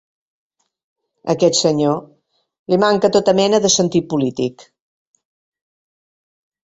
A aquest senyor, li mancà tota mena de sentit polític.